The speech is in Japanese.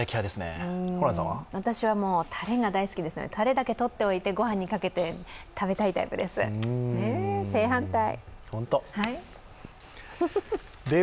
私はたれが大好きですので、たれだけとっておいてごはんにかけて食べたいタイプです、正反対。